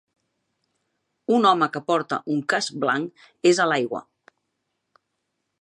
Un home que porta un casc blanc és a l'aigua.